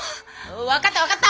分かった分かった！